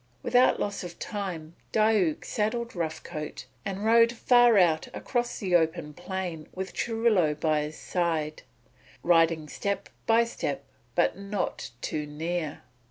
Without loss of time Diuk saddled Rough Coat and rode far out across the open plain with Churilo by his side, riding step by step but not too near.